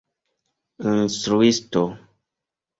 instruisto